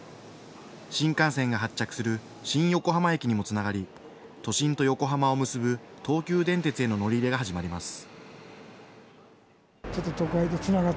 新幹線が発着する新横浜駅にもつながり、都心と横浜を結ぶ東急電鉄への乗り入れが始まります。